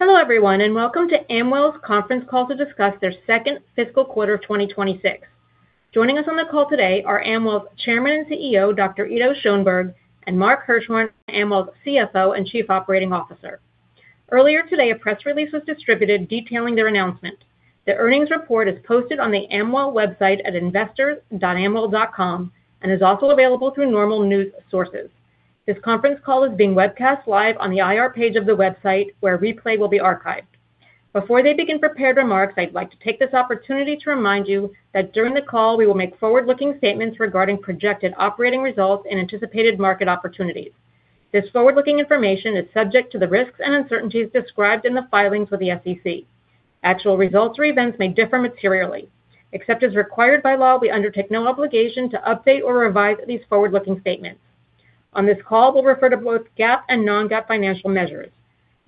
Hello, everyone, and welcome to Amwell's conference call to discuss their second fiscal quarter of 2026. Joining us on the call today are Amwell's Chairman and CEO, Dr. Ido Schoenberg, and Mark Hirschhorn, Amwell's CFO and Chief Operating Officer. Earlier today, a press release was distributed detailing their announcement. The earnings report is posted on the Amwell website at investors.amwell.com and is also available through normal news sources. This conference call is being webcast live on the IR page of the website, where a replay will be archived. Before they begin prepared remarks, I'd like to take this opportunity to remind you that during the call, we will make forward-looking statements regarding projected operating results and anticipated market opportunities. This forward-looking information is subject to the risks and uncertainties described in the filings with the SEC. Except as required by law, we undertake no obligation to update or revise these forward-looking statements. On this call, we'll refer to both GAAP and non-GAAP financial measures.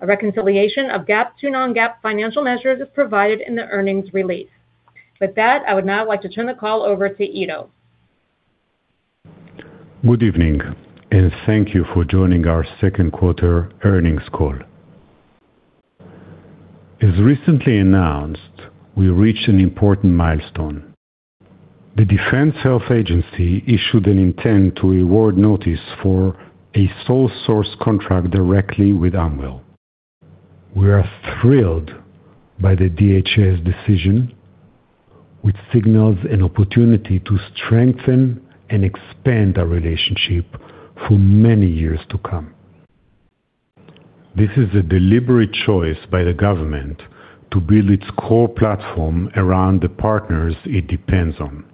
A reconciliation of GAAP to non-GAAP financial measures is provided in the earnings release. With that, I would now like to turn the call over to Ido. Good evening, and thank you for joining our Q2 earnings call. As recently announced, we reached an important milestone. The Defense Health Agency issued an intent to award notice for a sole source contract directly with Amwell. We are thrilled by the DHA's decision, which signals an opportunity to strengthen and expand our relationship for many years to come. This is a deliberate choice by the government to build its core platform around the partners it depends on.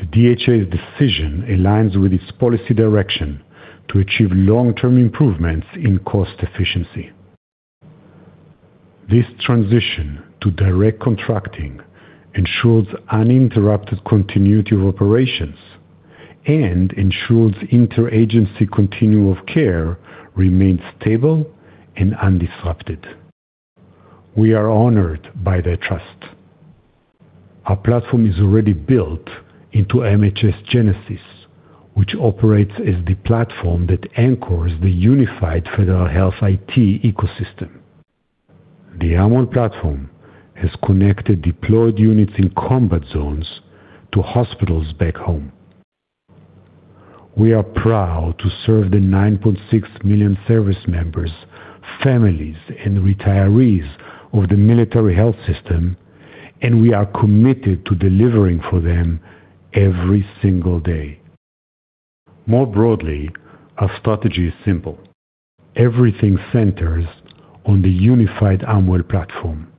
The DHA's decision aligns with its policy direction to achieve long-term improvements in cost efficiency. This transition to direct contracting ensures uninterrupted continuity of operations and ensures inter-agency continuum of care remains stable and undisrupted. We are honored by their trust. Our platform is already built into MHS GENESIS, which operates as the platform that anchors the unified federal health IT ecosystem. The Amwell platform has connected deployed units in combat zones to hospitals back home. We are proud to serve the 9.6 million service members, families, and retirees of the Military Health System, and we are committed to delivering for them every single day. More broadly, our strategy is simple. Everything centers on the unified Amwell platform.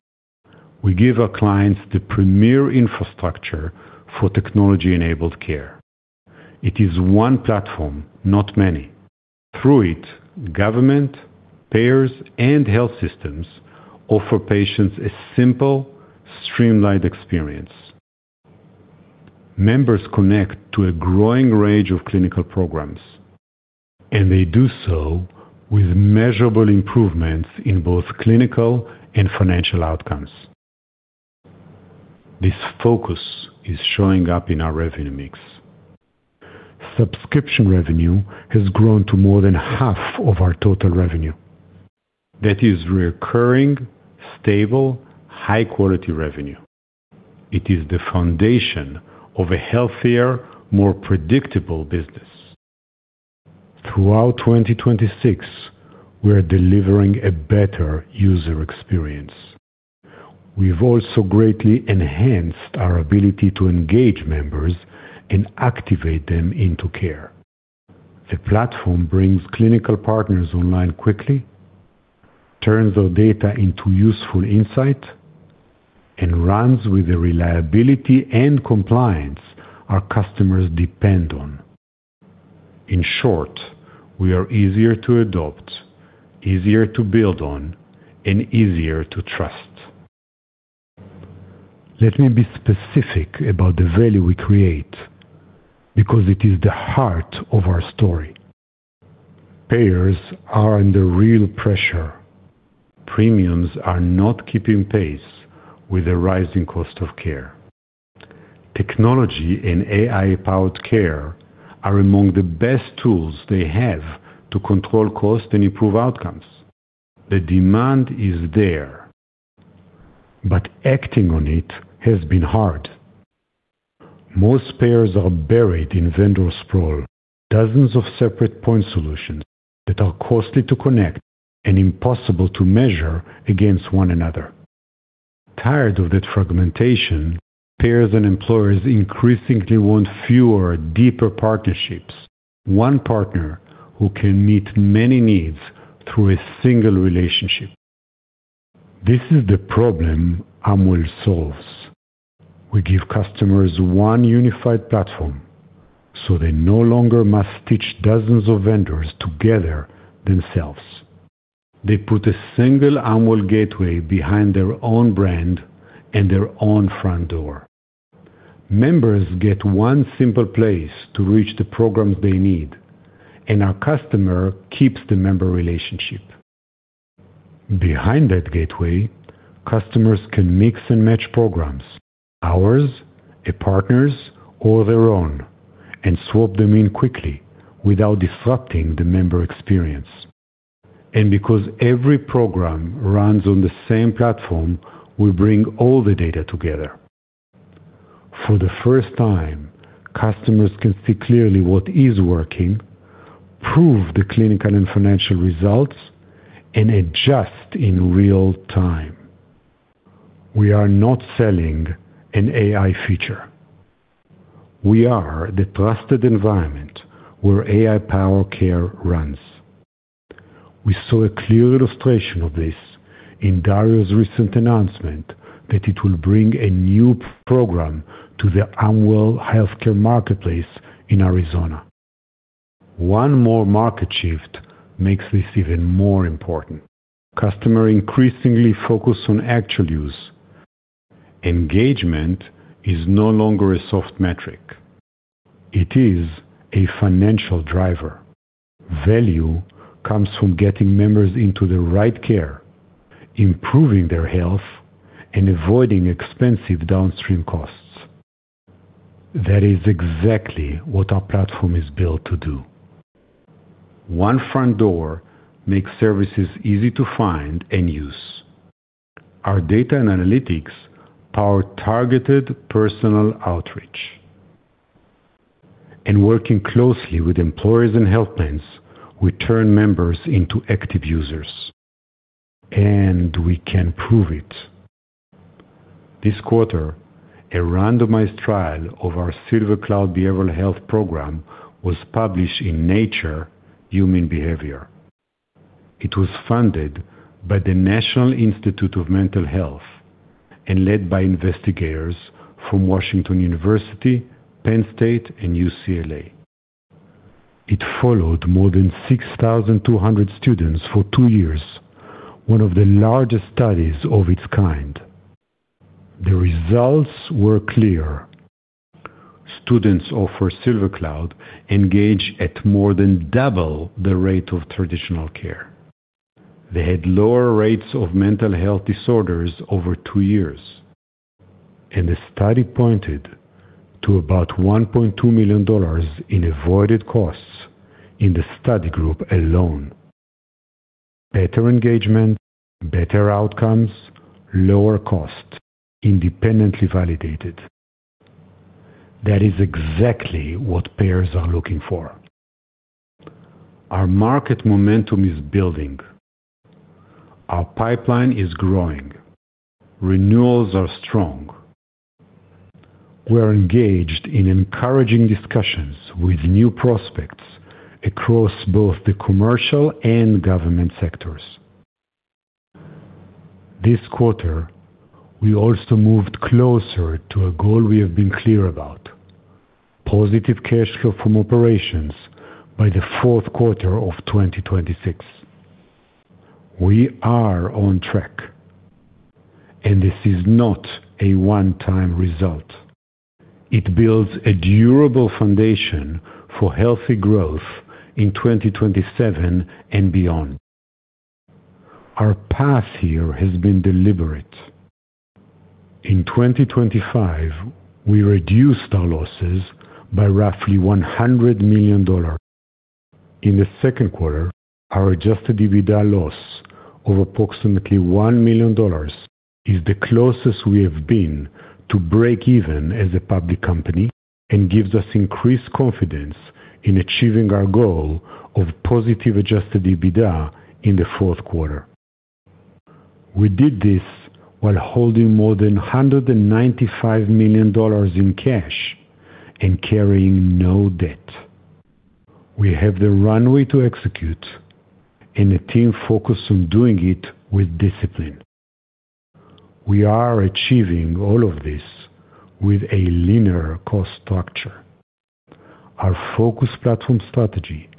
We give our clients the premier infrastructure for technology-enabled care. It is one platform, not many. Through it, government, payers, and health systems offer patients a simple, streamlined experience. Members connect to a growing range of clinical programs, and they do so with measurable improvements in both clinical and financial outcomes. This focus is showing up in our revenue mix. Subscription revenue has grown to more than half of our total revenue. That is reoccurring, stable, high-quality revenue. It is the foundation of a healthier, more predictable business. Throughout 2026, we're delivering a better user experience. We've also greatly enhanced our ability to engage members and activate them into care. The platform brings clinical partners online quickly, turns their data into useful insight, and runs with the reliability and compliance our customers depend on. In short, we are easier to adopt, easier to build on, and easier to trust. Let me be specific about the value we create, because it is the heart of our story. Payers are under real pressure. Premiums are not keeping pace with the rising cost of care. Technology and AI-powered care are among the best tools they have to control cost and improve outcomes. The demand is there, but acting on it has been hard. Most payers are buried in vendor sprawl, dozens of separate point solutions that are costly to connect and impossible to measure against one another. Tired of that fragmentation, payers and employers increasingly want fewer, deeper partnerships. One partner who can meet many needs through a single relationship. This is the problem Amwell solves. We give customers one unified platform, so they no longer must stitch dozens of vendors together themselves. They put a single Amwell gateway behind their own brand and their own front door. Members get one simple place to reach the programs they need, and our customer keeps the member relationship. Behind that gateway, customers can mix and match programs, ours, a partner's, or their own. Swap them in quickly without disrupting the member experience. Because every program runs on the same platform, we bring all the data together. For the first time, customers can see clearly what is working, prove the clinical and financial results, and adjust in real time. We are not selling an AI feature. We are the trusted environment where AI-powered care runs. We saw a clear illustration of this in DarioHealth's recent announcement that it will bring a new program to the Amwell healthcare marketplace in Arizona. One more market shift makes this even more important. Customer increasingly focus on actual use. Engagement is no longer a soft metric. It is a financial driver. Value comes from getting members into the right care, improving their health, and avoiding expensive downstream costs. That is exactly what our platform is built to do. One front door makes services easy to find and use. Our data and analytics power targeted personal outreach. Working closely with employers and health plans, we turn members into active users, and we can prove it. This quarter, a randomized trial of our SilverCloud behavioral health program was published in "Nature Human Behaviour." It was funded by the National Institute of Mental Health and led by investigators from Washington University, Penn State, and UCLA. It followed more than 6,200 students for two years, one of the largest studies of its kind. The results were clear. Students offered SilverCloud engage at more than double the rate of traditional care. They had lower rates of mental health disorders over two years, and the study pointed to about $1.2 million in avoided costs in the study group alone. Better engagement, better outcomes, lower cost, independently validated. That is exactly what payers are looking for. Our market momentum is building. Our pipeline is growing. Renewals are strong. We're engaged in encouraging discussions with new prospects across both the commercial and government sectors. This quarter, we also moved closer to a goal we have been clear about: positive cash flow from operations by the Q4 of 2026. This is not a one-time result. It builds a durable foundation for healthy growth in 2027 and beyond. Our path here has been deliberate. In 2025, we reduced our losses by roughly $100 million. In the Q2, our adjusted EBITDA loss of approximately $1 million is the closest we have been to breakeven as a public company and gives us increased confidence in achieving our goal of positive adjusted EBITDA in the Q4. We did this while holding more than $195 million in cash and carrying no debt. We have the runway to execute and a team focused on doing it with discipline. We are achieving all of this with a linear cost structure. Our focused platform strategy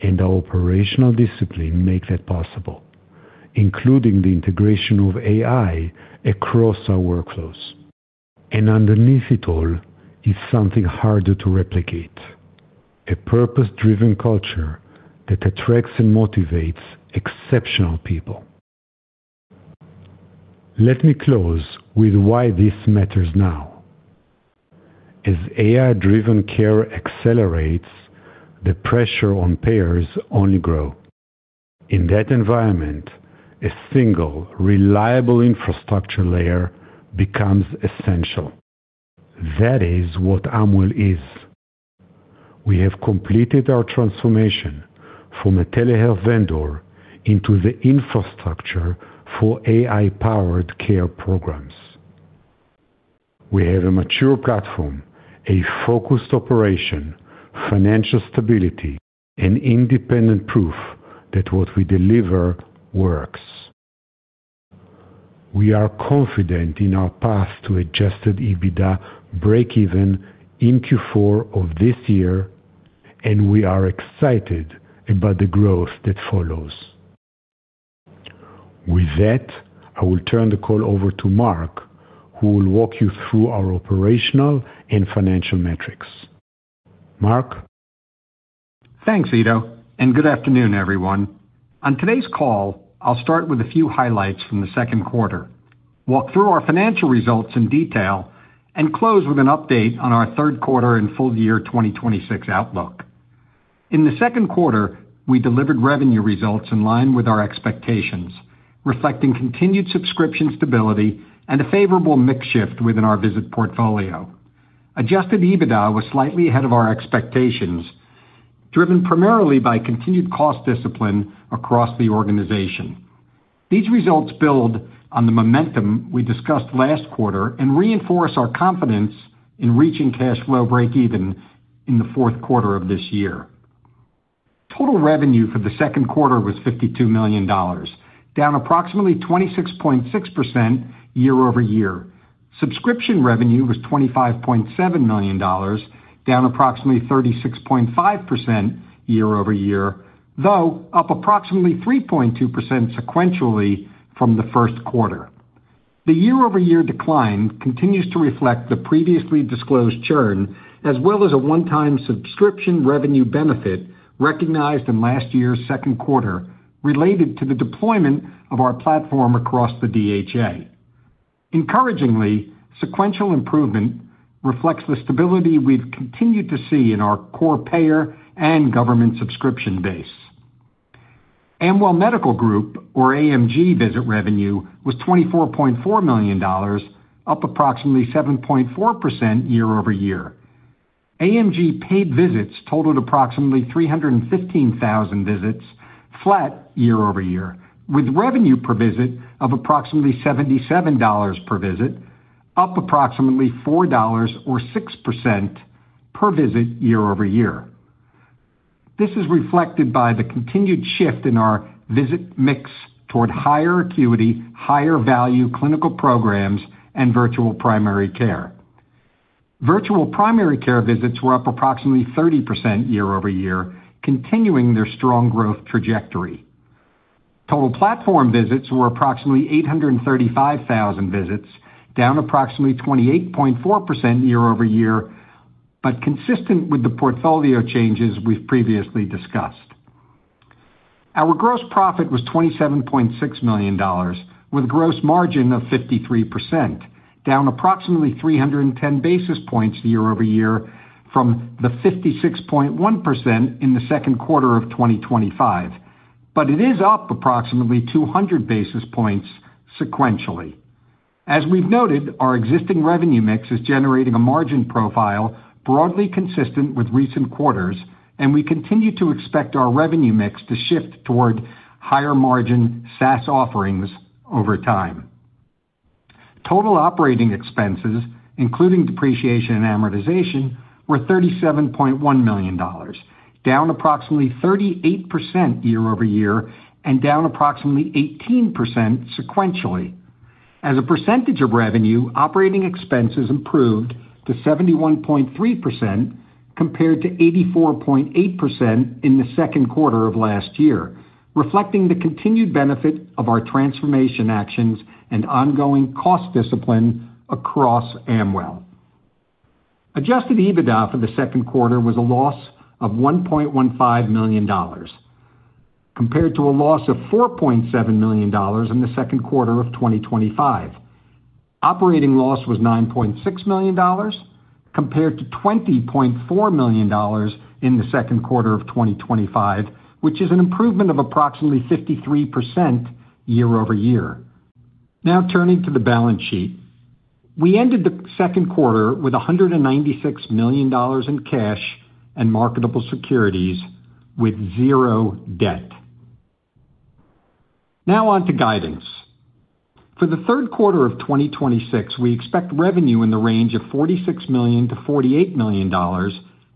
and our operational discipline make that possible, including the integration of AI across our workflows. Underneath it all is something harder to replicate: A purpose-driven culture that attracts and motivates exceptional people. Let me close with why this matters now. As AI-driven care accelerates, the pressure on payers only grow. In that environment, a single, reliable infrastructure layer becomes essential. That is what Amwell is. We have completed our transformation from a telehealth vendor into the infrastructure for AI-powered care programs. We have a mature platform, a focused operation, financial stability, and independent proof that what we deliver works. We are confident in our path to adjusted EBITDA breakeven in Q4 of this year. We are excited about the growth that follows. With that, I will turn the call over to Mark, who will walk you through our operational and financial metrics. Mark? Thanks, Ido. Good afternoon, everyone. On today's call, I'll start with a few highlights from the Q2, walk through our financial results in detail. Close with an update on our Q3 and full year 2026 outlook. In the Q2, we delivered revenue results in line with our expectations, reflecting continued subscription stability and a favorable mix shift within our visit portfolio. Adjusted EBITDA was slightly ahead of our expectations, driven primarily by continued cost discipline across the organization. These results build on the momentum we discussed last quarter. Reinforce our confidence in reaching cash flow breakeven in the Q4 of this year. Total revenue for the Q2 was $52 million, down approximately 26.6% year-over-year. Subscription revenue was $25.7 million, down approximately 36.5% year-over-year, though up approximately 3.2% sequentially from the Q1. The year-over-year decline continues to reflect the previously disclosed churn, as well as a one-time subscription revenue benefit recognized in last year's Q2 related to the deployment of our platform across the DHA. Encouragingly, sequential improvement reflects the stability we've continued to see in our core payer and government subscription base. Amwell Medical Group, or AMG visit revenue, was $24.4 million, up approximately 7.4% year-over-year. AMG paid visits totaled approximately 315,000 visits, flat year-over-year, with revenue per visit of approximately $77 per visit, up approximately $4 or 6% per visit year-over-year. This is reflected by the continued shift in our visit mix toward higher acuity, higher value clinical programs and virtual primary care. Virtual primary care visits were up approximately 30% year-over-year, continuing their strong growth trajectory. Total platform visits were approximately 835,000 visits, down approximately 28.4% year-over-year, but consistent with the portfolio changes we've previously discussed. Our gross profit was $27.6 million, with gross margin of 53%, down approximately 310 basis points year-over-year from the 56.1% in the Q2 of 2025. It is up approximately 200 basis points sequentially. As we've noted, our existing revenue mix is generating a margin profile broadly consistent with recent quarters, and we continue to expect our revenue mix to shift toward higher margin SaaS offerings over time. Total operating expenses, including depreciation and amortization, were $37.1 million, down approximately 38% year-over-year and down approximately 18% sequentially. As a percentage of revenue, operating expenses improved to 71.3%, compared to 84.8% in the Q2 of last year, reflecting the continued benefit of our transformation actions and ongoing cost discipline across Amwell. Adjusted EBITDA for the Q2 was a loss of $1.15 million, compared to a loss of $4.7 million in the Q2 of 2025. Operating loss was $9.6 million, compared to $20.4 million in the Q2 of 2025, which is an improvement of approximately 53% year-over-year. Turning to the balance sheet. We ended the Q2 with $196 million in cash and marketable securities with zero debt. On to guidance. For the Q3 of 2026, we expect revenue in the range of $46 million-$48 million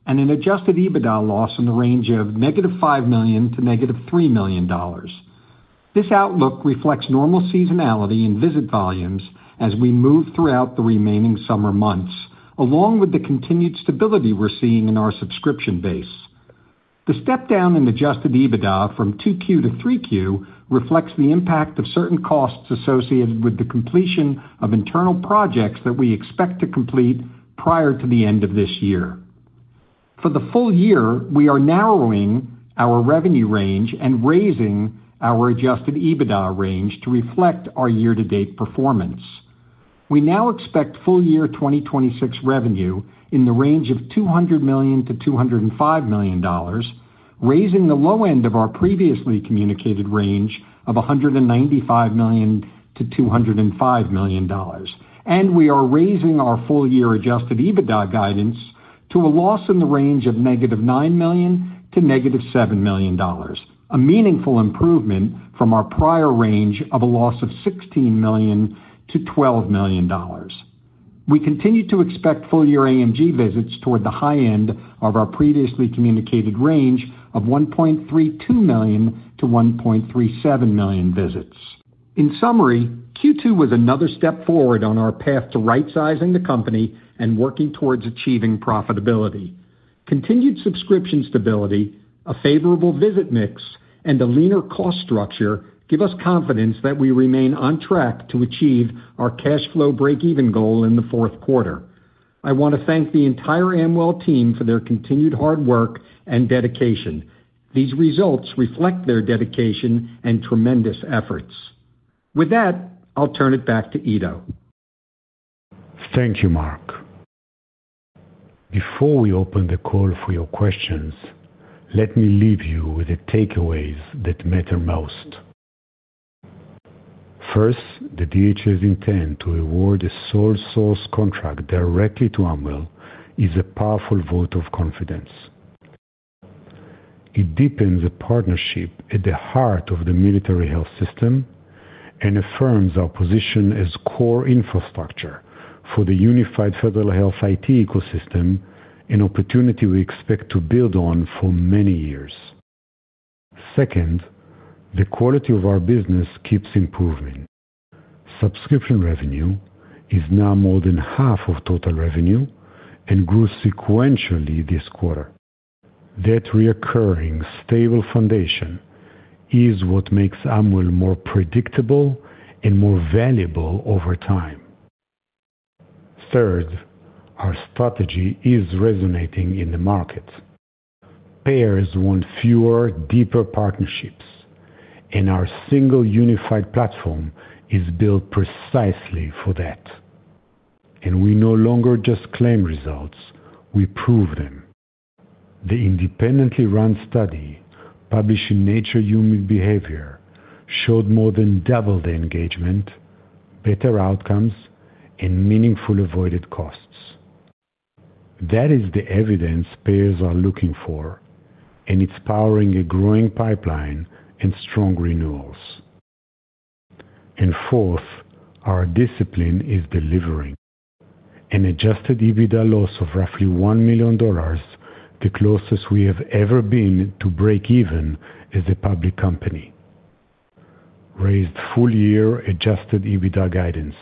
and an Adjusted EBITDA loss in the range of -$5 million to -$3 million. This outlook reflects normal seasonality in visit volumes as we move throughout the remaining summer months, along with the continued stability we're seeing in our subscription base. The step down in Adjusted EBITDA from 2Q to 3Q reflects the impact of certain costs associated with the completion of internal projects that we expect to complete prior to the end of this year. For the full year, we are narrowing our revenue range and raising our Adjusted EBITDA range to reflect our year-to-date performance. We now expect full year 2026 revenue in the range of $200 million-$205 million, raising the low end of our previously communicated range of $195 million-$205 million. We are raising our full year Adjusted EBITDA guidance to a loss in the range of -$9 million to -$7 million, a meaningful improvement from our prior range of a loss of $16 million-$12 million. We continue to expect full year AMG visits toward the high end of our previously communicated range of 1.32 million-1.37 million visits. In summary, Q2 was another step forward on our path to right-sizing the company and working towards achieving profitability. Continued subscription stability, a favorable visit mix, and a leaner cost structure give us confidence that we remain on track to achieve our cash flow breakeven goal in the Q4. I want to thank the entire Amwell team for their continued hard work and dedication. These results reflect their dedication and tremendous efforts. With that, I'll turn it back to Ido. Thank you, Mark. Before we open the call for your questions, let me leave you with the takeaways that matter most. First, the DHA's intent to award a sole source contract directly to Amwell is a powerful vote of confidence. It deepens the partnership at the heart of the Military Health System and affirms our position as core infrastructure for the unified federal health IT ecosystem, an opportunity we expect to build on for many years. Second, the quality of our business keeps improving. Subscription revenue is now more than half of total revenue and grew sequentially this quarter. That recurring stable foundation is what makes Amwell more predictable and more valuable over time. Third, our strategy is resonating in the market. Payers want fewer, deeper partnerships, our single unified platform is built precisely for that. We no longer just claim results, we prove them. The independently run study, published in Nature Human Behaviour, showed more than double the engagement, better outcomes, and meaningful avoided costs. That is the evidence payers are looking for, it's powering a growing pipeline and strong renewals. Fourth, our discipline is delivering. An adjusted EBITDA loss of roughly $1 million, the closest we have ever been to breakeven as a public company. Raised full year adjusted EBITDA guidance.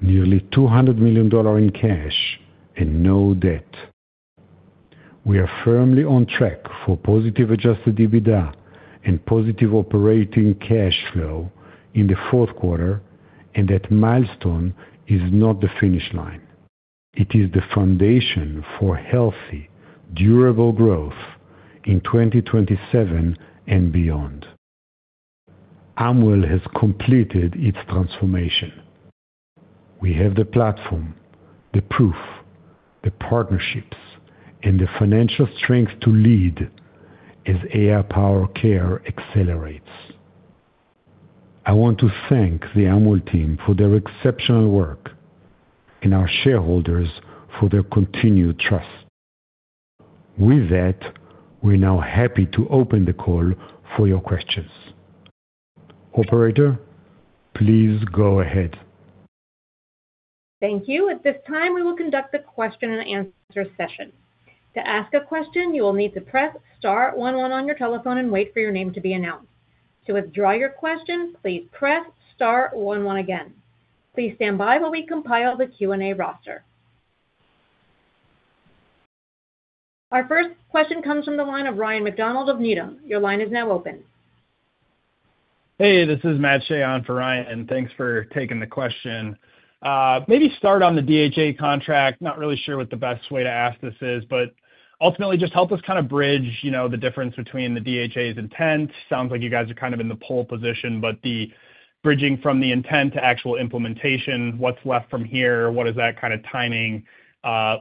Nearly $200 million in cash and no debt. We are firmly on track for positive adjusted EBITDA and positive operating cash flow in the Q4, that milestone is not the finish line. It is the foundation for healthy, durable growth in 2027 and beyond. Amwell has completed its transformation. We have the platform, the proof, the partnerships, and the financial strength to lead as AI-powered care accelerates. I want to thank the Amwell team for their exceptional work and our shareholders for their continued trust. With that, we're now happy to open the call for your questions. Operator, please go ahead. Thank you. At this time, we will conduct the question and answer session. To ask a question, you will need to press star one one on your telephone and wait for your name to be announced. To withdraw your question, please press star one one again. Please stand by while we compile the Q&A roster. Our first question comes from the line of Ryan MacDonald of Needham & Company. Your line is now open. Hey, this is Matt Shea on for Ryan. Thanks for taking the question. Start on the DHA contract. Not really sure what the best way to ask this is, ultimately just help us kind of bridge the difference between the DHA's intent. Sounds like you guys are kind of in the pole position, the bridging from the intent to actual implementation, what's left from here? What does that kind of timing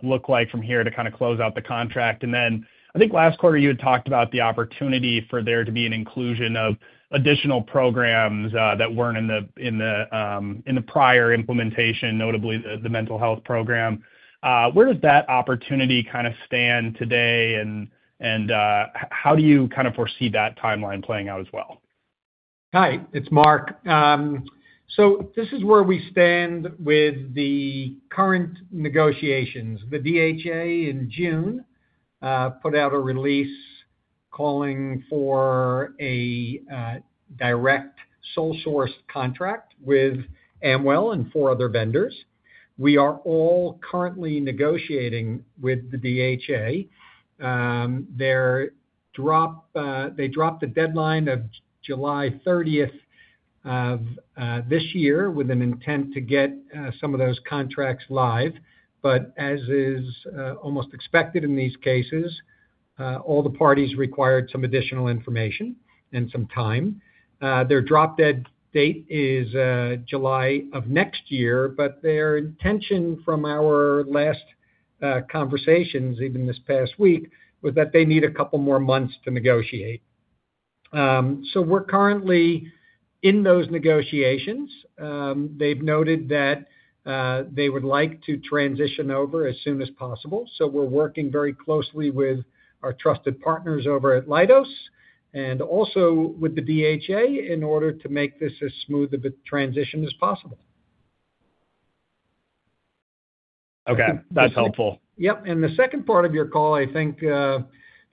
look like from here to close out the contract? I think last quarter you had talked about the opportunity for there to be an inclusion of additional programs that weren't in the prior implementation, notably the mental health program. Where does that opportunity kind of stand today, how do you kind of foresee that timeline playing out as well? Hi, it's Mark. This is where we stand with the current negotiations. The DHA in June put out a release calling for a direct sole source contract with Amwell and four other vendors. We are all currently negotiating with the DHA. They dropped the deadline of July 30th of this year with an intent to get some of those contracts live. As is almost expected in these cases, all the parties required some additional information and some time. Their drop-dead date is July of next year, their intention from our last conversations, even this past week, was that they need a couple more months to negotiate. We're currently in those negotiations. They've noted that they would like to transition over as soon as possible. We're working very closely with our trusted partners over at Leidos and also with the DHA in order to make this as smooth of a transition as possible. Okay. That's helpful. Yep. The second part of your call, I think,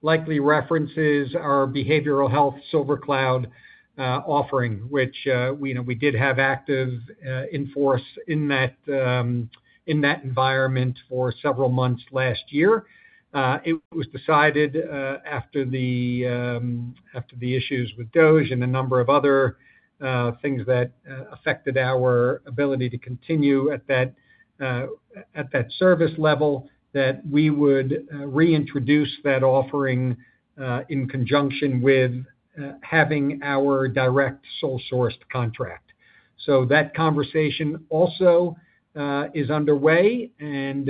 likely references our behavioral health SilverCloud offering, which we did have active in force in that environment for several months last year. It was decided after the issues with DOGE and a number of other things that affected our ability to continue at that service level, That we would reintroduce that offering, in conjunction with having our direct sole-sourced contract. That conversation also is underway, and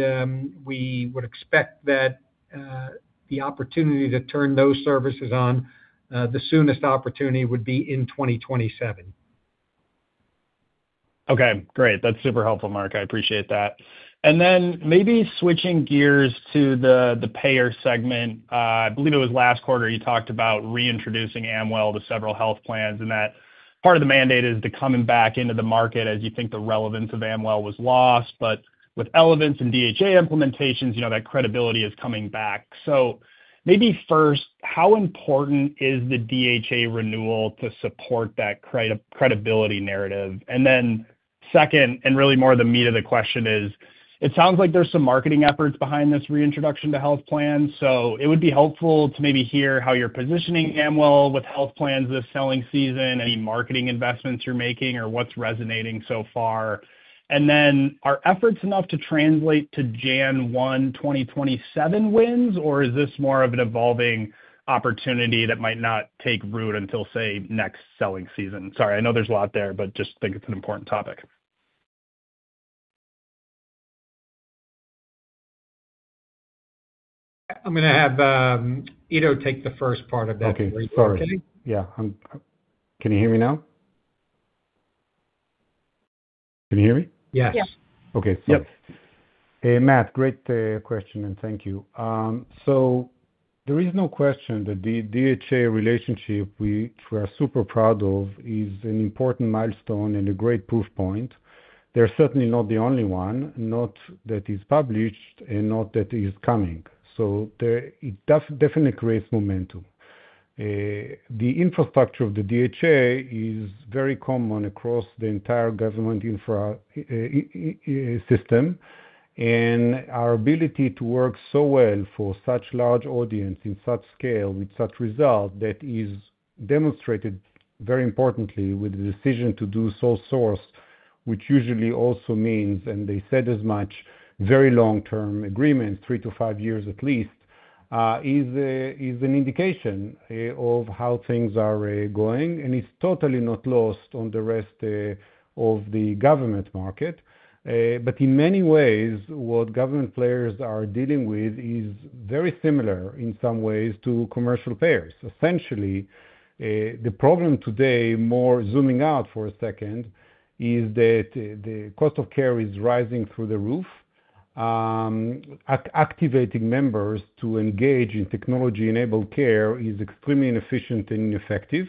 we would expect that the opportunity to turn those services on, the soonest opportunity would be in 2027. Okay, great. That's super helpful, Mark. I appreciate that. Maybe switching gears to the payer segment. I believe it was last quarter you talked about reintroducing Amwell to several health plans, and that part of the mandate is the coming back into the market as you think the relevance of Amwell was lost. With Elements and DHA implementations, that credibility is coming back. Maybe first, how important is the DHA renewal to support that credibility narrative? Second, and really more the meat of the question is, It sounds like there's some marketing efforts behind this reintroduction to health plans, it would be helpful to maybe hear how you're positioning Amwell with health plans this selling season, any marketing investments you're making or what's resonating so far. Are efforts enough to translate to January 1, 2027 wins, or is this more of an evolving opportunity that might not take root until, say, next selling season? Sorry, I know there's a lot there, just think it's an important topic. I'm going to have Ido take the first part of that. Okay, sorry. Okay? Yeah. Can you hear me now? Can you hear me? Yes. Yes. Okay. Yep. Matt, great question, and thank you. There is no question that the DHA relationship, which we're super proud of, is an important milestone and a great proof point. They're certainly not the only one, not that is published and not that is coming. It definitely creates momentum. The infrastructure of the DHA is very common across the entire government infra system, and our ability to work so well for such large audience in such scale with such result that is demonstrated very importantly with the decision to do sole source, which usually also means, and they said as much, very long-term agreement, three to five years at least, is an indication of how things are going, and it's totally not lost on the rest of the government market. In many ways, what government players are dealing with is very similar in some ways to commercial payers. Essentially, the problem today, more zooming out for a second, is that the cost of care is rising through the roof. Activating members to engage in technology-enabled care is extremely inefficient and ineffective,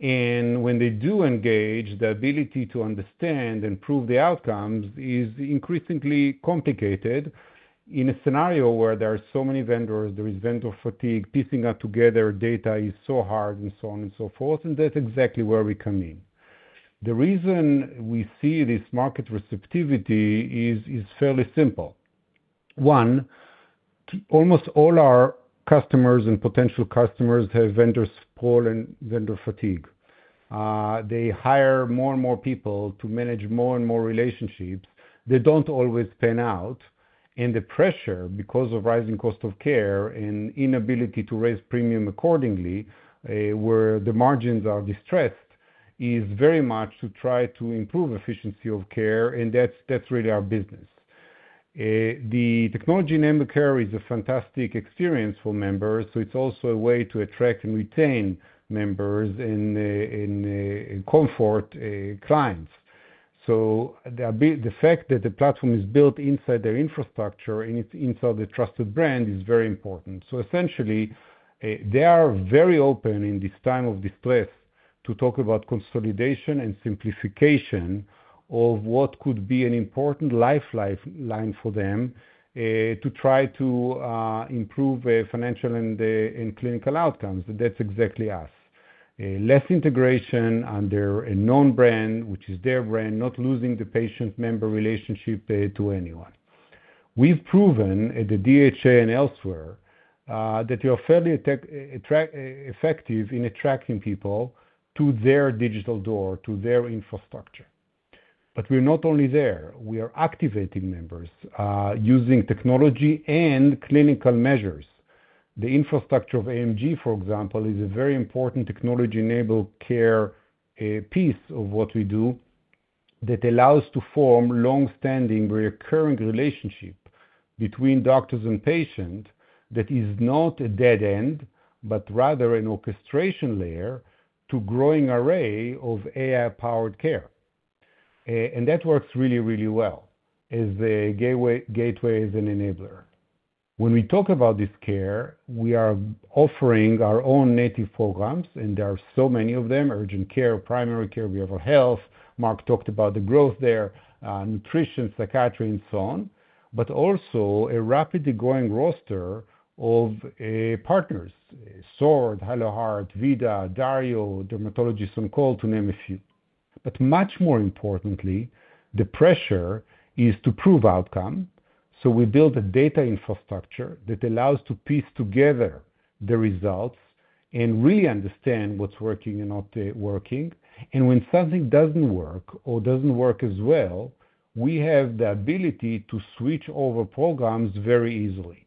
and when they do engage, the ability to understand and prove the outcomes is increasingly complicated in a scenario where there are so many vendors, There is vendor fatigue, piecing that together data is so hard, and so on and so forth, and that's exactly where we come in. The reason we see this market receptivity is fairly simple. One, almost all our customers and potential customers have vendor sprawl and vendor fatigue. They hire more and more people to manage more and more relationships that don't always pan out. The pressure, because of rising cost of care and inability to raise premium accordingly, where the margins are distressed, is very much to try to improve efficiency of care, and that's really our business. The technology-enabled care is a fantastic experience for members, it's also a way to attract and retain members and comfort clients. The fact that the platform is built inside their infrastructure and it's inside the trusted brand is very important. Essentially, they are very open in this time of distress to talk about consolidation and simplification of what could be an important lifeline for them, to try to improve financial and clinical outcomes. That's exactly us. Less integration under a known brand, which is their brand, not losing the patient-member relationship to anyone. We've proven at the DHA and elsewhere, that we are fairly effective in attracting people to their digital door, to their infrastructure. We're not only there, we are activating members, using technology and clinical measures. The infrastructure of AMG, for example, is a very important technology-enabled care, a piece of what we do that allows to form longstanding, reoccurring relationship between doctors and patient that is not a dead end, but rather an orchestration layer to growing array of AI-powered care. That works really, really well as a gateway, as an enabler. When we talk about this care, we are offering our own native programs, there are so many of them, urgent care, primary care, behavioral health. Mark talked about the growth there, nutrition, psychiatry, and so on, but also a rapidly growing roster of partners, Sword, Hello Heart, Vida, Dario, DermatologistOnCall, to name a few. Much more importantly, the pressure is to prove outcome, we build a data infrastructure that allows to piece together the results and really understand what's working and not working. When something doesn't work or doesn't work as well, we have the ability to switch over programs very easily.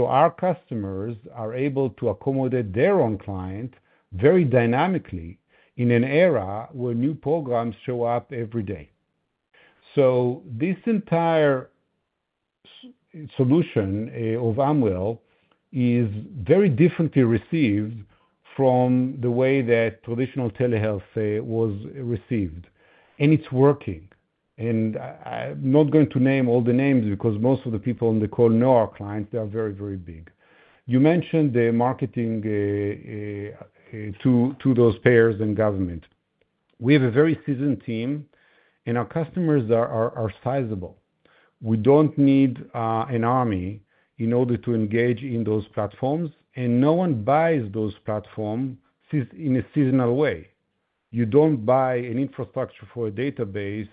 Our customers are able to accommodate their own client very dynamically in an era where new programs show up every day. This entire solution of Amwell is very differently received from the way that traditional telehealth, say, was received, and it's working. I'm not going to name all the names because most of the people on the call know our clients. They are very, very big. You mentioned the marketing to those payers and government. We have a very seasoned team. Our customers are sizable. We don't need an army in order to engage in those platforms. No one buys those platforms in a seasonal way. You don't buy an infrastructure for a database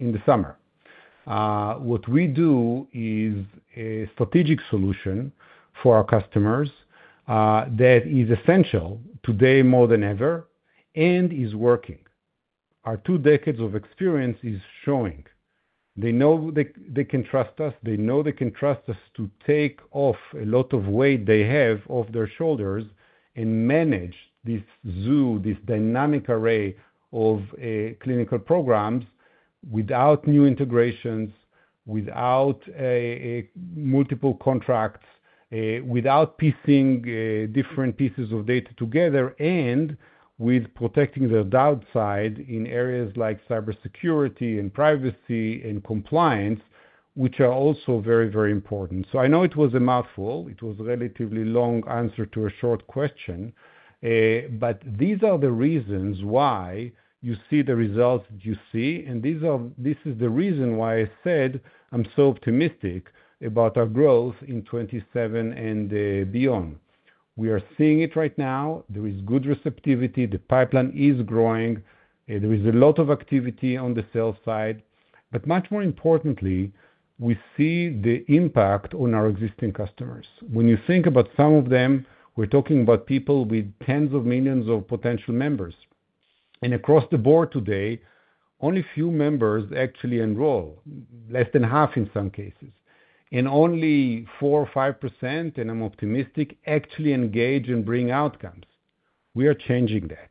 in the summer. We do is a strategic solution for our customers that is essential today more than ever and is working. Our two decades of experience is showing. They know they can trust us. They know they can trust us to take off a lot of weight they have off their shoulders and manage this zoo, this dynamic array of clinical programs without new integrations, without multiple contracts, without piecing different pieces of data together, and with protecting the downside in areas like cybersecurity and privacy and compliance, which are also very, very important. I know it was a mouthful. It was a relatively long answer to a short question. These are the reasons why you see the results that you see, and this is the reason why I said I'm so optimistic about our growth in 2027 and beyond. We are seeing it right now. There is good receptivity. The pipeline is growing. There is a lot of activity on the sales side. Much more importantly, we see the impact on our existing customers. When you think about some of them, we're talking about people with tens of millions of potential members. Across the board today, only a few members actually enroll, less than half in some cases. Only 4% or 5%, and I'm optimistic, actually engage and bring outcomes. We are changing that,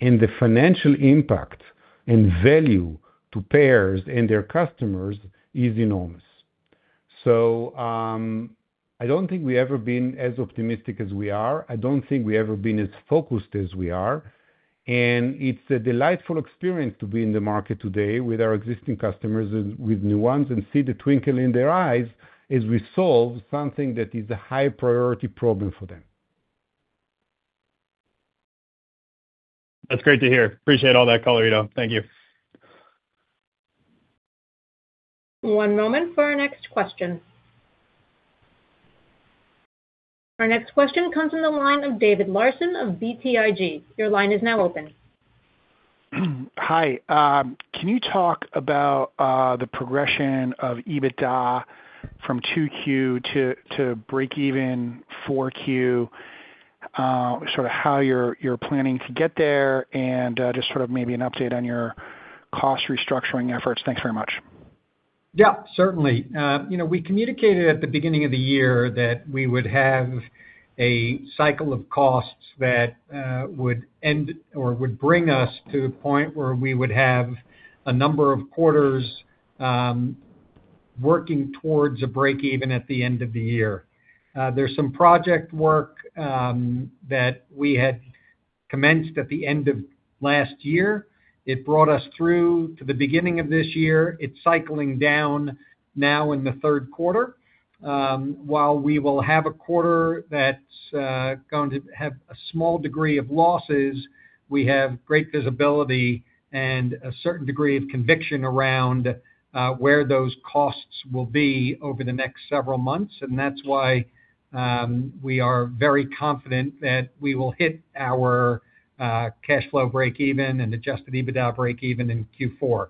and the financial impact and value to payers and their customers is enormous. I don't think we've ever been as optimistic as we are. I don't think we've ever been as focused as we are. It's a delightful experience to be in the market today with our existing customers and with new ones and see the twinkle in their eyes as we solve something that is a high priority problem for them. That's great to hear. Appreciate all that, Ido. Thank you. One moment for our next question. Our next question comes from the line of David Larsen of BTIG. Your line is now open. Hi. Can you talk about the progression of EBITDA from two Q to break even four Q, sort of how you're planning to get there, and just sort of maybe an update on your cost restructuring efforts? Thanks very much. Yeah, certainly. We communicated at the beginning of the year that we would have a cycle of costs that would end or would bring us to the point where we would have a number of quarters working towards a break even at the end of the year. There's some project work that we had commenced at the end of last year. It brought us through to the beginning of this year. It's cycling down now in the Q3. While we will have a quarter that's going to have a small degree of losses, we have great visibility and a certain degree of conviction around where those costs will be over the next several months, and that's why we are very confident that we will hit our cash flow break even and adjusted EBITDA break even in Q4.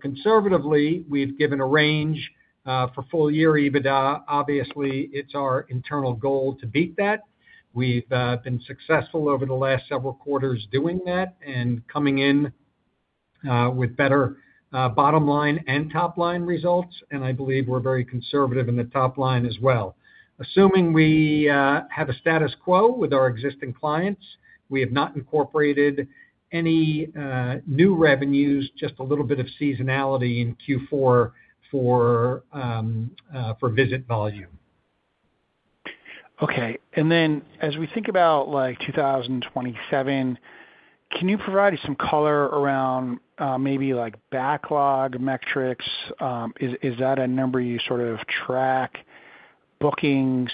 Conservatively, we've given a range for full year EBITDA. Obviously, it's our internal goal to beat that. We've been successful over the last several quarters doing that and coming in with better bottom line and top line results, and I believe we're very conservative in the top line as well. Assuming we have a status quo with our existing clients, we have not incorporated any new revenues, just a little bit of seasonality in Q4 for visit volume. Okay. As we think about 2027, can you provide some color around maybe backlog metrics? Is that a number you sort of track? Bookings,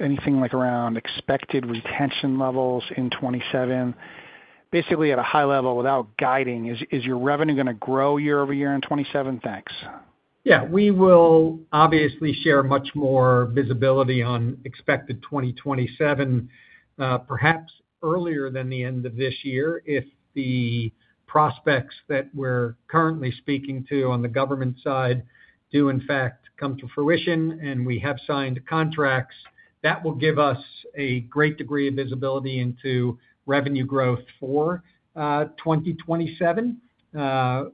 anything around expected retention levels in 2027? Basically, at a high level, without guiding, is your revenue going to grow year-over-year in 2027? Thanks. Yeah. We will obviously share much more visibility on expected 2027, perhaps earlier than the end of this year. If the prospects that we're currently speaking to on the government side do in fact come to fruition and we have signed contracts, that will give us a great degree of visibility into revenue growth for 2027.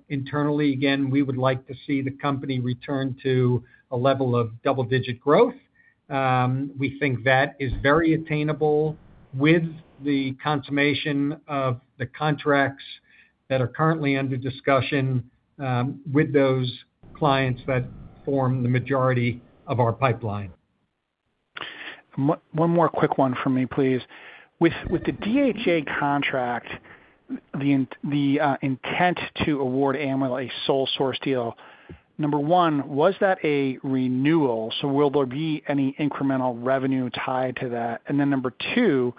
Internally, again, we would like to see the company return to a level of double-digit growth. We think that is very attainable with the consummation of the contracts that are currently under discussion with those clients that form the majority of our pipeline. One more quick one from me, please. With the DHA contract, the intent to award Amwell a sole source deal, number one, was that a renewal? Will there be any incremental revenue tied to that? Number two,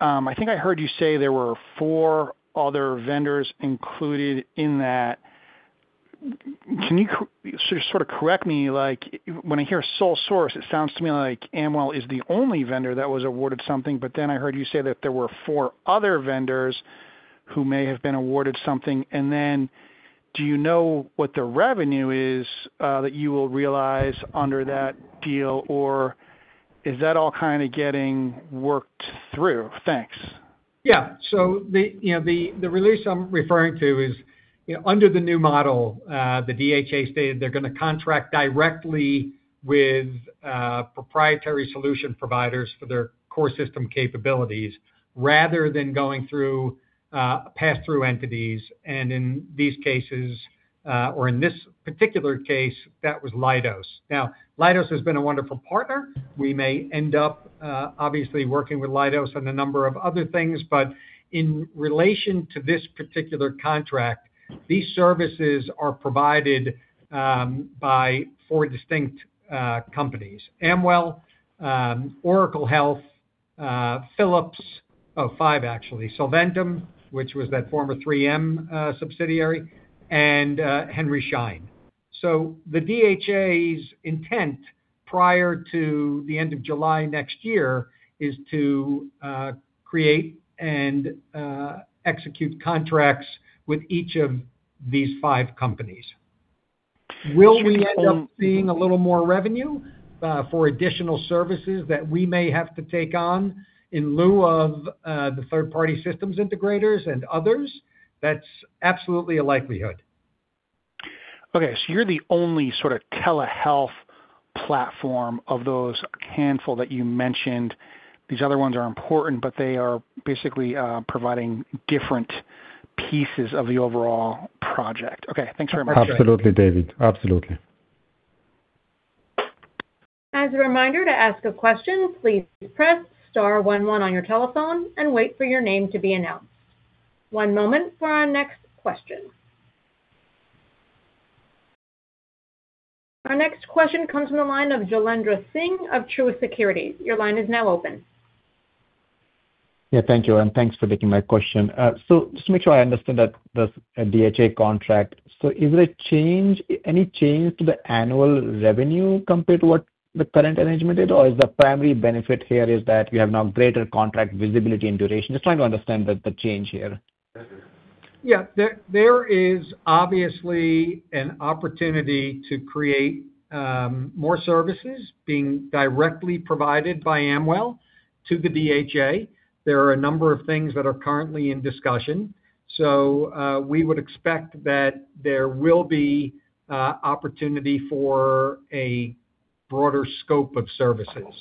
I think I heard you say there were four other vendors included in that. Can you sort of correct me, when I hear sole source, it sounds to me like Amwell is the only vendor that was awarded something, I heard you say that there were four other vendors who may have been awarded something. Do you know what the revenue is that you will realize under that deal, or is that all kind of getting worked through? Thanks. Yeah. The release I'm referring to is under the new model, the DHA stated they're going to contract directly with proprietary solution providers for their core system capabilities rather than going through pass-through entities. In these cases, or in this particular case, that was Leidos. Leidos has been a wonderful partner. We may end up, obviously, working with Leidos on a number of other things, but in relation to this particular contract, these services are provided by four distinct companies: Amwell, Oracle Health, Philips. Oh, five actually. Solventum, which was that former 3M subsidiary, and Henry Schein. The DHA's intent prior to the end of July next year is to create and execute contracts with each of these five companies. Will we end up seeing a little more revenue for additional services that we may have to take on in lieu of the third-party systems integrators and others? That's absolutely a likelihood. Okay. You're the only sort of telehealth platform of those handful that you mentioned. These other ones are important, but they are basically providing different pieces of the overall project. Okay, thanks very much. Absolutely, David. Absolutely. As a reminder, to ask a question, please press star one one on your telephone and wait for your name to be announced. One moment for our next question. Our next question comes from the line of Jailendra Singh of Truist Securities. Your line is now open. Thank you, and thanks for taking my question. Just to make sure I understand that this DHA contract, is there any change to the annual revenue compared to what the current arrangement is? Or is the primary benefit here is that we have now greater contract visibility and duration? Just trying to understand the change here. There is obviously an opportunity to create more services being directly provided by Amwell to the DHA. There are a number of things that are currently in discussion, we would expect that there will be opportunity for a broader scope of services.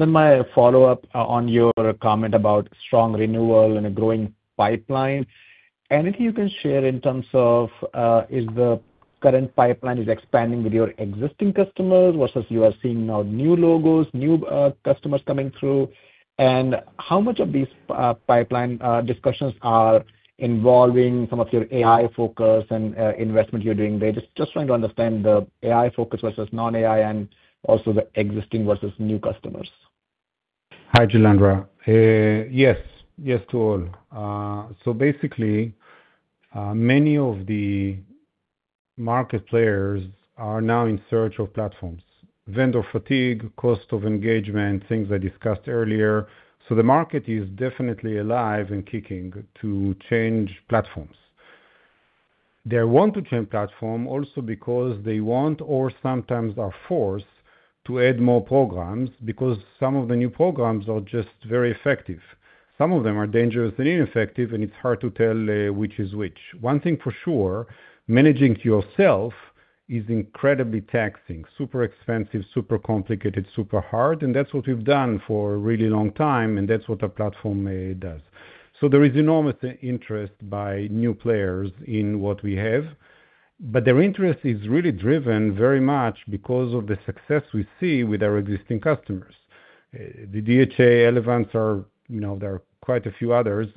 My follow-up on your comment about strong renewal and a growing pipeline. Anything you can share in terms of, is the current pipeline expanding with your existing customers versus you are seeing now new logos, new customers coming through? How much of these pipeline discussions are involving some of your AI focus and investment you're doing there? Just trying to understand the AI focus versus non-AI and also the existing versus new customers. Hi, Jailendra. Yes to all. Basically, many of the market players are now in search of platforms. Vendor fatigue, cost of engagement, things I discussed earlier. The market is definitely alive and kicking to change platforms. They want to change platform also because they want or sometimes are forced to add more programs because some of the new programs are just very effective. Some of them are dangerous and ineffective, and it's hard to tell which is which. One thing for sure, managing it yourself is incredibly taxing, super expensive, super complicated, super hard, and that's what we've done for a really long time, and that's what our platform does. There is enormous interest by new players in what we have, but their interest is really driven very much because of the success we see with our existing customers. The DHA elephants, there are quite a few others,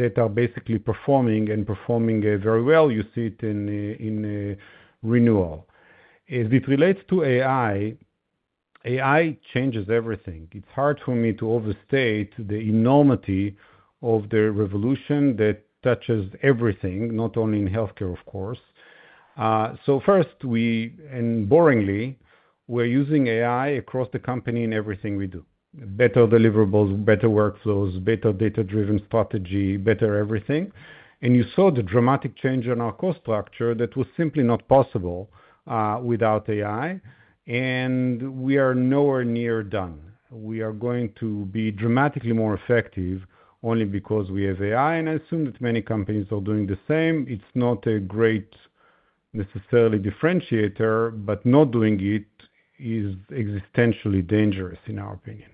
that are basically performing and performing very well. You see it in renewal. As it relates to AI changes everything. It's hard for me to overstate the enormity of the revolution that touches everything, not only in healthcare, of course. First, and boringly, we're using AI across the company in everything we do. Better deliverables, better workflows, better data-driven strategy, better everything. You saw the dramatic change in our cost structure that was simply not possible without AI. We are nowhere near done. We are going to be dramatically more effective only because we have AI, and I assume that many companies are doing the same. It's not a great necessarily differentiator, but not doing it is existentially dangerous in our opinion.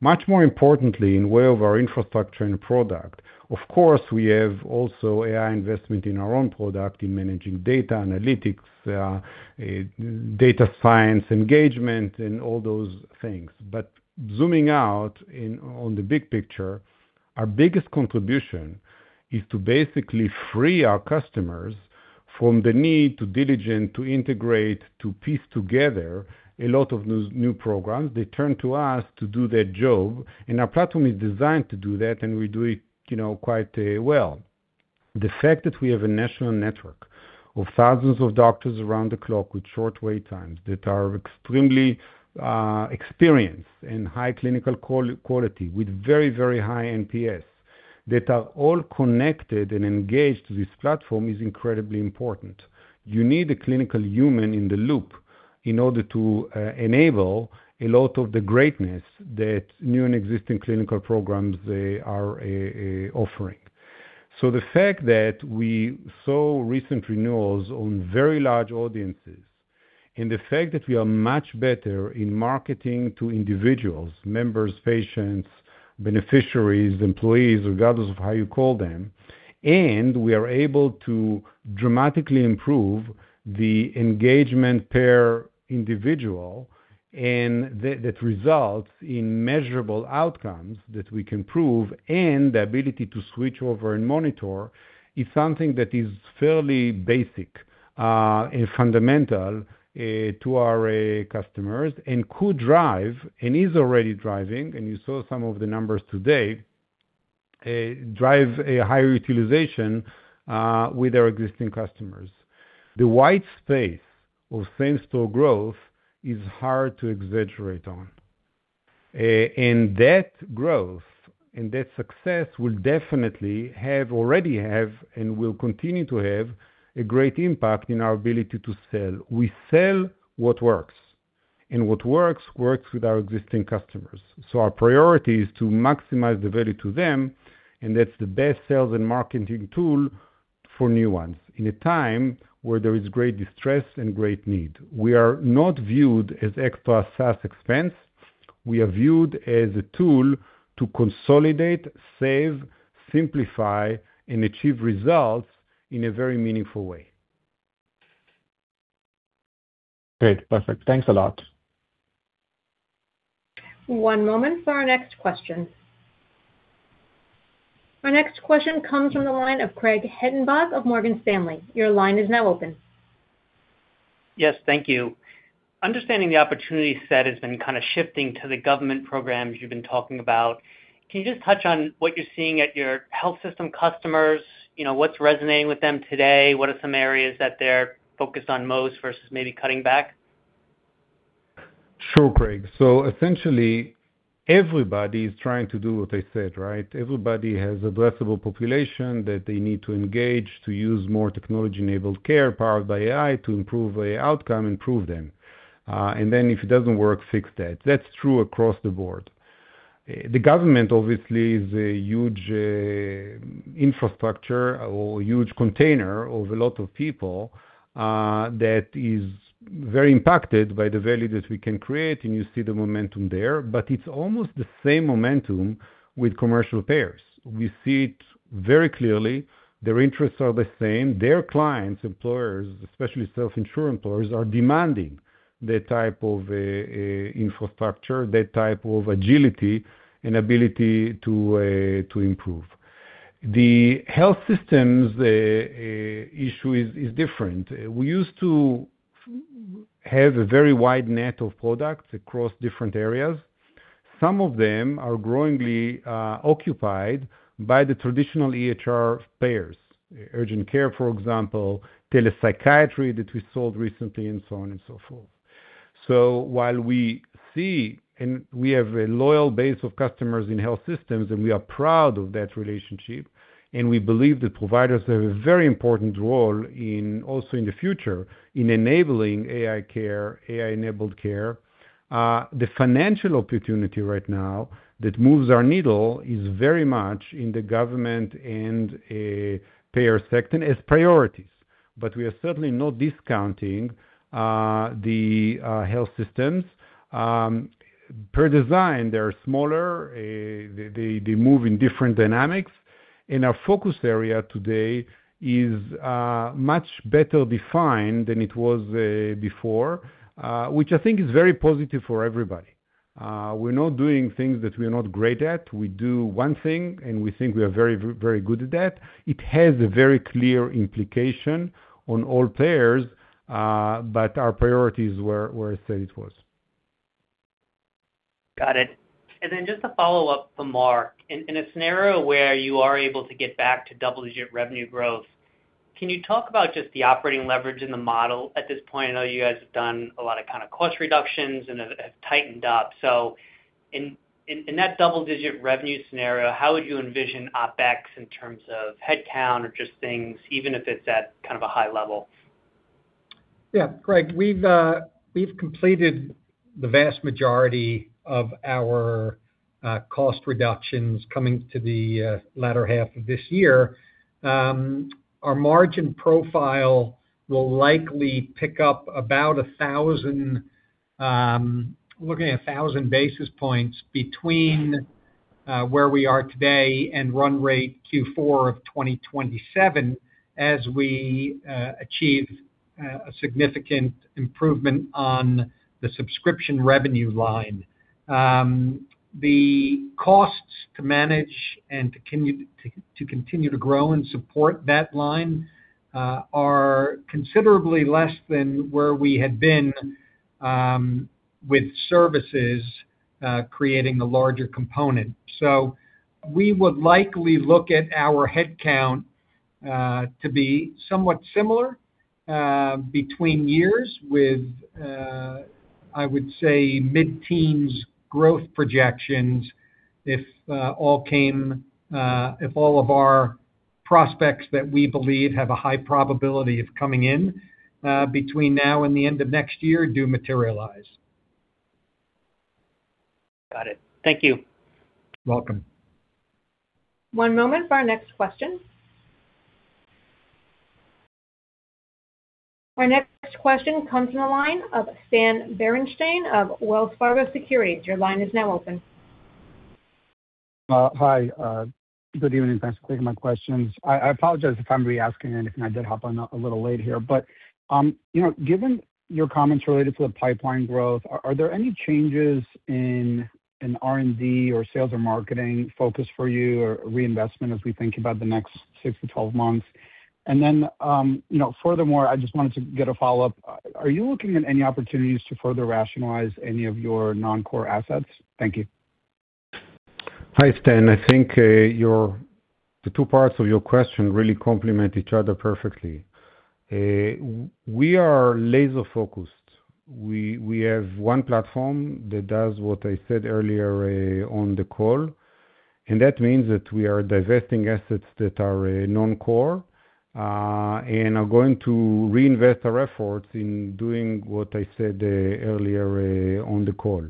Much more importantly, in way of our infrastructure and product, of course, we have also AI investment in our own product, in managing data analytics, data science engagement, and all those things. Zooming out on the big picture, our biggest contribution is to basically free our customers from the need to diligent, to integrate, to piece together a lot of new programs. They turn to us to do that job, and our platform is designed to do that, and we do it quite well. The fact that we have a national network of thousands of doctors around the clock with short wait times, that are extremely experienced in high clinical quality, with very, very high NPS, that are all connected and engaged to this platform, is incredibly important. You need a clinical human in the loop in order to enable a lot of the greatness that new and existing clinical programs are offering. The fact that we saw recent renewals on very large audiences, and the fact that we are much better in marketing to individuals, members, patients, beneficiaries, employees, regardless of how you call them, and we are able to dramatically improve the engagement per individual, and That results in measurable outcomes that we can prove, and the ability to switch over and monitor, is something that is fairly basic, and fundamental, to our customers, and could drive, and is already driving, and you saw some of the numbers today, drive a higher utilization, with our existing customers. The wide space of same-store growth is hard to exaggerate on. That growth and that success will definitely have, already have, and will continue to have a great impact in our ability to sell. We sell what works, and what works with our existing customers. Our priority is to maximize the value to them, and that's the best sales and marketing tool for new ones in a time where there is great distress and great need. We are not viewed as extra SaaS expense. We are viewed as a tool to consolidate, save, simplify, and achieve results in a very meaningful way. Great. Perfect. Thanks a lot. One moment for our next question. Our next question comes from the line of Craig Hettenbach of Morgan Stanley. Your line is now open. Yes, thank you. Understanding the opportunity set has been kind of shifting to the government programs you've been talking about. Can you just touch on what you're seeing at your health system customers? What's resonating with them today? What are some areas that they're focused on most versus maybe cutting back? Sure, Craig. Essentially, everybody is trying to do what I said, right? Everybody has addressable population that they need to engage to use more technology-enabled care powered by AI to improve outcome, improve them. Then if it doesn't work, fix that. That's true across the board. The government, obviously, is a huge infrastructure or huge container of a lot of people, that is very impacted by the value that we can create, and you see the momentum there. It's almost the same momentum with commercial payers. We see it very clearly. Their interests are the same. Their clients, employers, especially self-insured employers, are demanding that type of infrastructure, that type of agility and ability to improve. The health systems issue is different. We used to have a very wide net of products across different areas. Some of them are growingly occupied by the traditional EHR players, urgent care, for example, telepsychiatry that we sold recently, and so on and so forth. While we see, and we have a loyal base of customers in health systems, and we are proud of that relationship, and we believe that providers have a very important role also in the future in enabling AI-enabled care, the financial opportunity right now that moves our needle is very much in the government and payer sector as priorities. We are certainly not discounting the health systems. Per design, they're smaller, they move in different dynamics. Our focus area today is much better defined than it was before, which I think is very positive for everybody. We're not doing things that we're not great at. We do one thing, and we think we are very good at that. It has a very clear implication on all players. Our priorities were as said it was. Got it. Just to follow up for Mark, in a scenario where you are able to get back to double-digit revenue growth, can you talk about just the operating leverage in the model at this point? I know you guys have done a lot of cost reductions and have tightened up. In that double-digit revenue scenario, how would you envision OpEx in terms of headcount or just things, even if it's at kind of a high level? Yeah, Craig, we've completed the vast majority of our cost reductions coming to the latter half of this year. Our margin profile will likely pick up about 1,000, looking at 1,000 basis points between where we are today and run rate Q4 of 2027, as we achieve a significant improvement on the subscription revenue line. The costs to manage and to continue to grow and support that line are considerably less than where we had been, with services creating a larger component. We would likely look at our headcount to be somewhat similar, between years with, I would say mid-teens growth projections if all of our prospects that we believe have a high probability of coming in, between now and the end of next year, do materialize. Got it. Thank you. Welcome. One moment for our next question. Our next question comes from the line of Stan Berenshteyn of Wells Fargo Securities. Your line is now open. Hi. Good evening. Thanks for taking my questions. I apologize if I'm re-asking anything. I did hop on a little late here. Given your comments related to the pipeline growth, are there any changes in R&D or sales and marketing focus for you or reinvestment as we think about the next six to twelve months? Furthermore, I just wanted to get a follow-up. Are you looking at any opportunities to further rationalize any of your non-core assets? Thank you. Hi, Stan. I think the two parts of your question really complement each other perfectly. We are laser-focused. We have one platform that does what I said earlier on the call, and that means that we are divesting assets that are non-core, and are going to reinvest our efforts in doing what I said earlier on the call.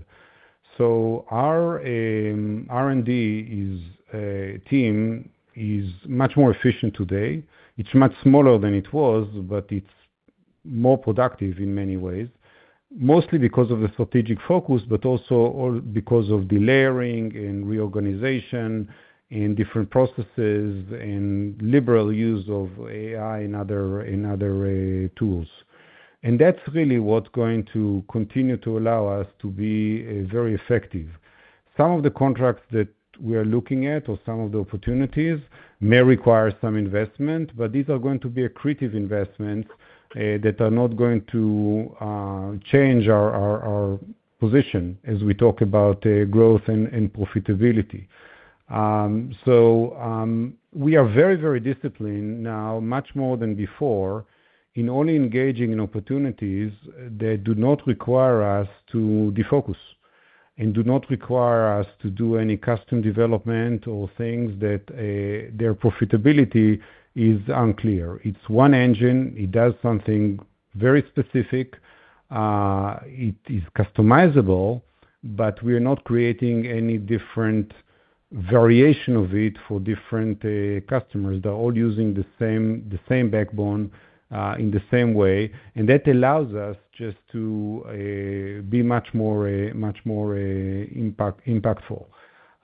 Our R&D team is much more efficient today. It's much smaller than it was, but it's more productive in many ways, mostly because of the strategic focus, but also because of the layering and reorganization and different processes and liberal use of AI and other tools. That's really what's going to continue to allow us to be very effective. Some of the contracts that we're looking at or some of the opportunities may require some investment, but these are going to be accretive investments that are not going to change our position as we talk about growth and profitability. We are very disciplined now, much more than before, in only engaging in opportunities that do not require us to defocus and do not require us to do any custom development or things that their profitability is unclear. It's one engine, it does something very specific. It is customizable, but we are not creating any different variation of it for different customers. They're all using the same backbone, in the same way, and that allows us just to be much more impactful.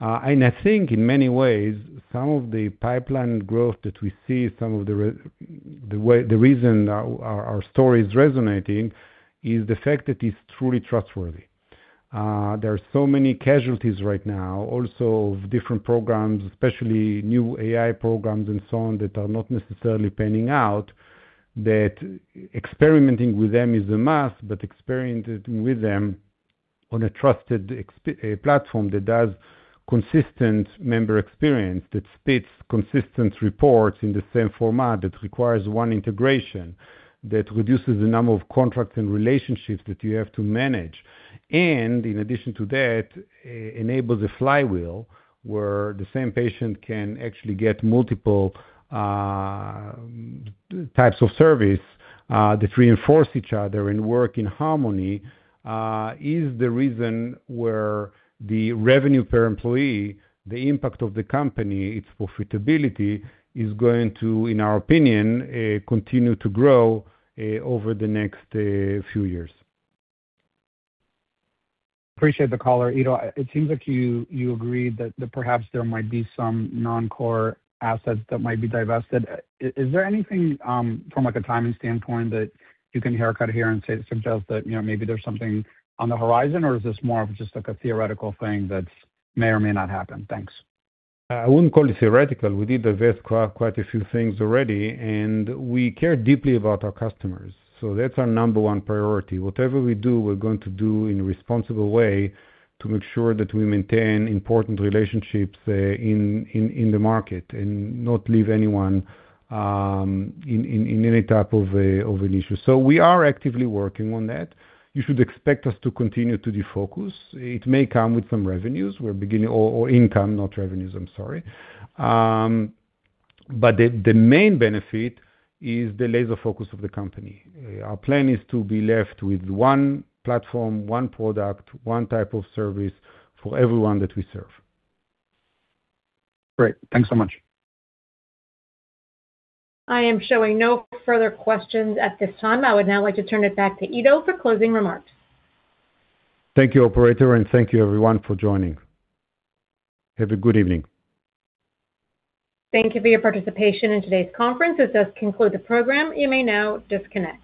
I think in many ways, some of the pipeline growth that we see, some of the reason our story is resonating is the fact that it's truly trustworthy. There are so many casualties right now, also of different programs, especially new AI programs and so on, that are not necessarily panning out, that experimenting with them is a must, But experimenting with them on a trusted platform that does consistent member experience, that spits consistent reports in the same format, that requires one integration, that reduces the number of contracts and relationships that you have to manage. In addition to that, enables a flywheel where the same patient can actually get multiple types of service that reinforce each other and work in harmony, is the reason where the revenue per employee, the impact of the company, its profitability, is going to, in our opinion, continue to grow over the next few years. Appreciate the color. Ido, it seems like you agreed that perhaps there might be some non-core assets that might be divested. Is there anything, from, like, a timing standpoint that you can haircut here and suggest that maybe there's something on the horizon, or is this more of just, like, a theoretical thing that may or may not happen? Thanks. I wouldn't call it theoretical. We did divest quite a few things already. We care deeply about our customers, so that's our number 1 priority. Whatever we do, we're going to do in a responsible way to make sure that we maintain important relationships in the market and not leave anyone in any type of an issue. We are actively working on that. You should expect us to continue to defocus. It may come with some revenues. Or income, not revenues, I'm sorry. The main benefit is the laser focus of the company. Our plan is to be left with one platform, one product, 1 type of service for everyone that we serve. Great. Thanks so much. I am showing no further questions at this time. I would now like to turn it back to Ido for closing remarks. Thank you, operator, and thank you everyone for joining. Have a good evening. Thank you for your participation in today's conference. This does conclude the program. You may now disconnect.